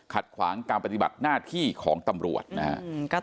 ขวางการปฏิบัติหน้าที่ของตำรวจนะครับ